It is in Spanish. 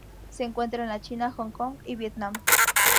Se encuentra en la China, Hong Kong y Vietnam.